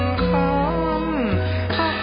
ทรงเป็นน้ำของเรา